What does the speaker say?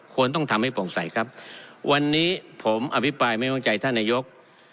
ควรต้องทำให้โปร่งใสครับวันนี้ผมอภิปรายไม่วางใจท่านนายก